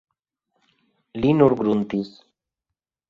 Li nur gruntis.